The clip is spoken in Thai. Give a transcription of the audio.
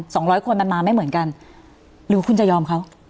ร้อยคนมันมาไม่เหมือนกันหรือคุณจะยอมเขา